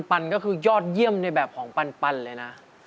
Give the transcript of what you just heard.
ปันก็คือยอดเยี่ยมในแบบของปันเลยนะ